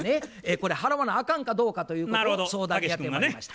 これ払わなあかんかどうかということを相談にやってまいりました。